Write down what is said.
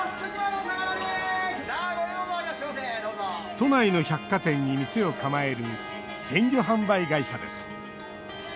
都内の百貨店に店を構える鮮魚販売会社です。